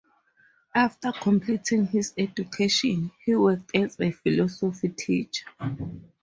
After completing his education, he worked as a philosophy teacher.